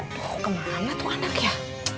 aduh kemana tuh anaknya